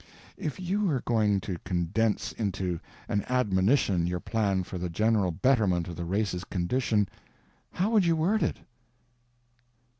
If you were going to condense into an admonition your plan for the general betterment of the race's condition, how would you word it?